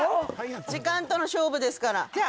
時間との勝負ですからじゃあ